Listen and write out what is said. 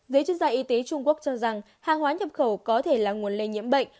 giới chuyên gia y tế trung quốc cho rằng hàng hóa nhập khẩu có thể là nguồn lây nhiễm bệnh